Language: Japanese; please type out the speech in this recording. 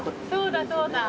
そうだそうだ。